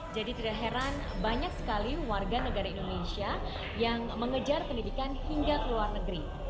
jadi tidak heran banyak sekali warga negara indonesia yang mengejar pendidikan hingga ke luar negeri